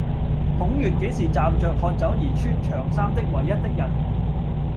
孔乙己是站着喝酒而穿長衫的唯一的人